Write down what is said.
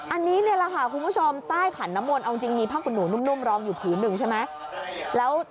อันนี้นี่แหละค่ะคุณผู้ชมใต้ขันน้ำมนต์เอาจริงมีผ้าขุนหนูนุ่มรองอยู่ผืนหนึ่งใช่ไหม